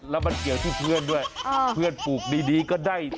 แล้วมันเกี่ยวที่เพื่อนด้วยเพื่อนปลูกดีก็ได้